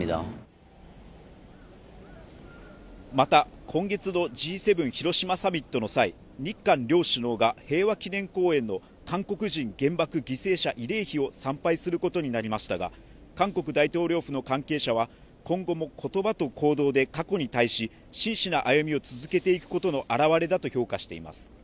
また今月のＧ７広島サミットの際日韓両首脳が、平和祈念公園の韓国人原爆犠牲者慰霊碑を参拝することになりましたが、韓国大統領府の関係者は今後も言葉と行動で過去に対し、真摯な歩みを続けていくことの表れだと評価しています。